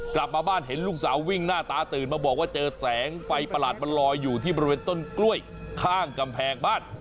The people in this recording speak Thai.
กลับมาบ้านเห็นลูกสาววิ่งหน้าตาตื่นมาบอกว่าเจอแสงไฟประหลาดมันลอยอยู่ที่บริเวณต้นกล้วยข้างกำแพงบ้าน